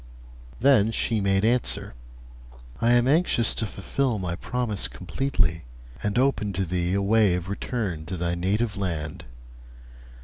Then she made answer: 'I am anxious to fulfil my promise completely, and open to thee a way of return to thy native land.